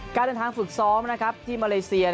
การทางฝึกซ้อมที่มาเลเซีย